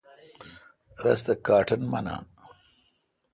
رس تہ کاٹن منان۔